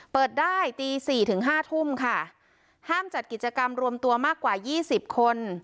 เปิดได้ตีสี่ถึงห้าทุ่มค่ะห้ามจัดกิจกรรมรวมตัวมากกว่ายี่สิบคน